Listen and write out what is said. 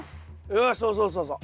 よしそうそうそうそう。